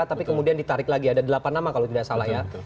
tapi kemudian ditarik lagi ada delapan nama kalau tidak salah ya